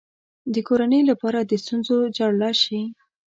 د کورنۍ لپاره د ستونزو جرړه شي.